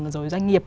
rồi doanh nghiệp